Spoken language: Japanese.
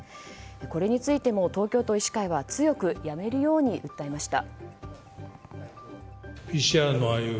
これについても東京都医師会は強くやめるように訴えました。